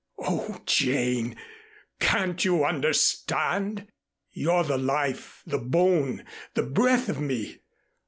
Oh, Jane, can't you understand? You're the life the bone the breath of me.